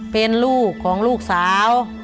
เป็นลูกของลูกสาว